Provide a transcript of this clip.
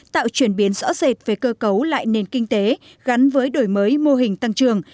tạo chuyển biến rõ rệt về cơ cấu lại nền kinh tế gắn với đổi mới mô hình tăng trường